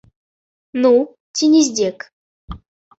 Ну, ці не здзек?